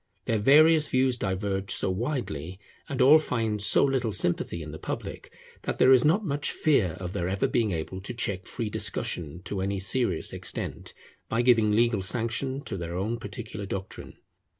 Their various views diverge so widely, and all find so little sympathy in the public, that there is not much fear of their ever being able to check free discussion to any serious extent, by giving legal sanction to their own particular doctrine.